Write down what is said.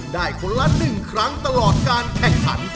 ได้คนละหนึ่งครั้งตลอดการแข่งขัน